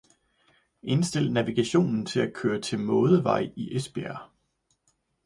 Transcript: Indstil navigationen til at køre til Mådevej i Esbjerg